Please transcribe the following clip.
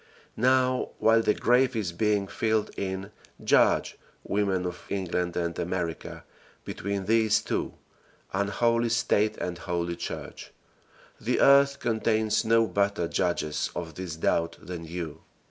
Now while the grave is being filled in, judge, women of England and America, between these two unholy State and holy Church. The earth contains no better judges of this doubt than you.